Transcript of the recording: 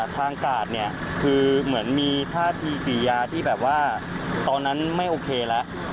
กาดเนี่ยคือเหมือนมีท่าทีกิยาที่แบบว่าตอนนั้นไม่โอเคแล้ว